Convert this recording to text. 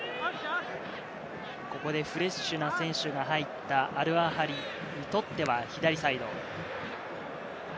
ここでフレッシュな選手が入った、アルアハリにとっては左サイド。